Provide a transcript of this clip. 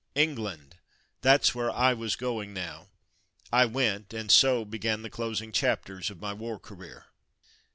England! that's where I was going now. I went, and so begin the closing chapters of my war career.